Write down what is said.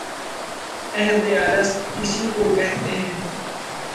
عہد الست اسی کو کہتے ہیں۔